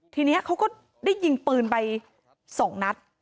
ทีนี้เขาก็ได้ยิงปืนไป๒นัด